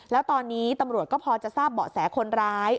แล้วตอนนี้ตำรวจก็พอจะทราบเบาะแสคนร้าย